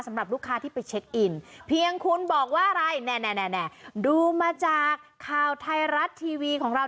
สำหรับลูกค้าที่ไปเช็คอินเพียงคุณบอกว่าอะไรแน่ดูมาจากข่าวไทยรัฐทีวีของเรา